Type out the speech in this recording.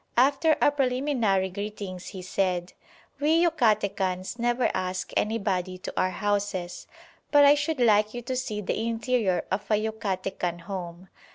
After our preliminary greetings he said, "We Yucatecans never ask anybody to our houses, but I should like you to see the interior of a Yucatecan home.